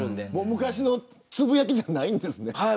昔のつぶやきじゃないんですね。